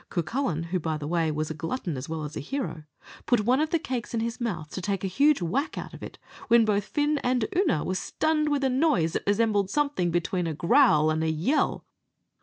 Cucullin, who, by the way, was a glutton as well as a hero, put one of the cakes in his mouth to take a huge whack out of it, when both Fin and Oonagh were stunned with a noise that resembled something between a growl and a yell.